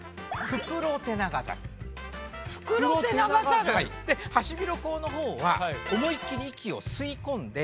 フクロテナガザル。でハシビロコウのほうは思いっきり息を吸い込んで。